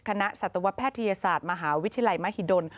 สัตวแพทยศาสตร์มหาวิทยาลัยมหิดล